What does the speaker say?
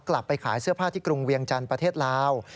กลับไปขายเสื้อผ้าที่กรุงเวียงจันทร์ประเทศลาว